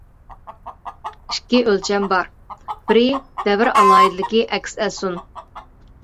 ئىككى ئۆلچەم بار: بىرى، دەۋر ئالاھىدىلىكى ئەكس ئەتسۇن.